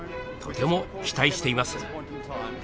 とても期待しています。